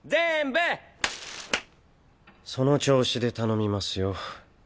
パンパンその調子で頼みますよ。